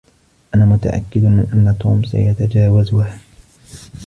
أنا متأكد من أن توم سيتجاوزها.